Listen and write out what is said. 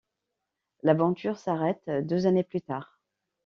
L’aventure s’arrête deux années plus tard.